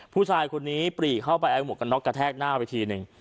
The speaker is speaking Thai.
ผู้ชายคนนี้ปรีเข้าไปเอาหมวกกันน็อกกระแทกหน้าไปทีหนึ่ง